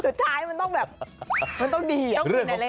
สุดท้ายมันต้องแบบ